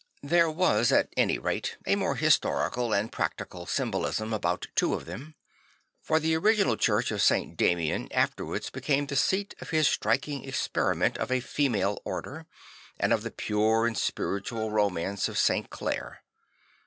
There ,vas at any rate a more historical and practical symbolism about two of them. For the original church of St. Damian afterwards became the seat of his striking experiment of a female order, and of the pure and spiritual romance of St. Clare.